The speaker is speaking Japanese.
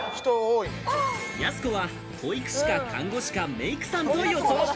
やす子は保育士か看護師か、メイクさんと予想。